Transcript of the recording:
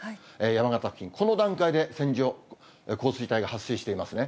山形付近、この段階で線状降水帯が発生していますね。